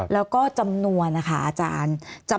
แล้วก็จำนวนนะคะอาจารย์